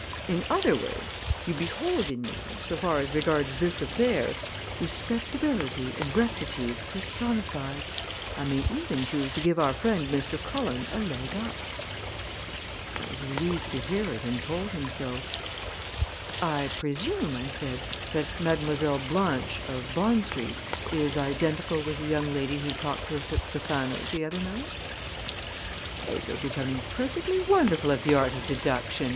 In other words, you behold in me, so far as regards this affair, respectability and rectitude personified. I may even choose to give our friend Mr. Cullen a leg up." I was relieved to hear it and told him so. "I presume," I said, "that Mademoiselle Blanche, of Bond Street, is identical with the young lady who talked to us at Stephano's the other night?" "Say, you're becoming perfectly wonderful at the art of deduction!"